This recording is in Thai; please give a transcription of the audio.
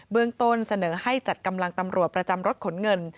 เมืองต้นเสนอให้จัดกำลังตำรวจประจำรถขนเงิน